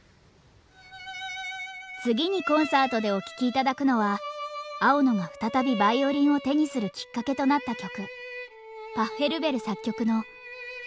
次にコンサートでお聴き頂くのは青野が再びヴァイオリンを手にするきっかけとなった曲。